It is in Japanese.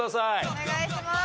お願いします。